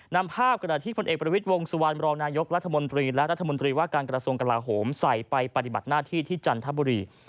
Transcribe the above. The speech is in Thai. นำภาพกระดาษที่ผลเอกประวิทย์วงสุวรรณรองนายกรัฐมนตรีและรัฐมนตรีว่าการกระทรวงกลาโหมใส่ไปปฏิบัติหน้าที่ที่จันทบุรี